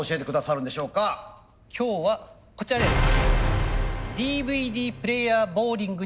今日はこちらです。